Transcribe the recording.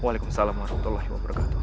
waalaikumsalam warahmatullahi wabarakatuh